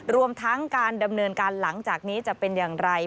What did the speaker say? รวมทั้งการดำเนินการหลังจากนี้จะเป็นอย่างไร